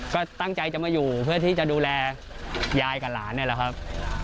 ก็ตั้งใจจะมาอยู่เพื่อที่จะดูแลยายกับหลานนี่แหละครับ